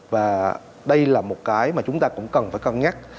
và đây là một cái mà chúng ta cũng cần phải cân nhắc